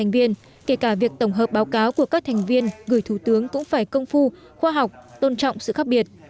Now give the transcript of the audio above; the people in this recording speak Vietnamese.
việc tổng hợp báo cáo của các thành viên gửi thủ tướng cũng phải công phu khoa học tôn trọng sự khác biệt